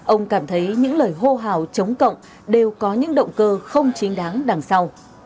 ông cảm thấy những lời hô hào chống cộng đều có những động cơ không chính đáng đằng sau